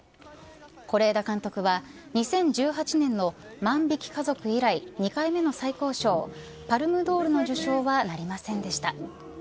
是枝監督は２０１８年の万引き家族以来、２回目の最高賞パルムドールの受賞はなりませんでした。